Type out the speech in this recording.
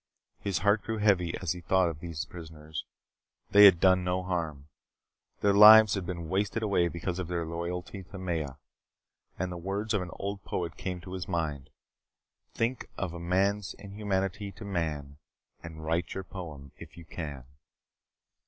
His heart grew heavy as he thought of those prisoners. They had done no harm. Their lives had been wasted away because of their loyalty to Maya. And the words of an old poet came to his mind: "Think of man's inhumanity to man and write your poem if you can."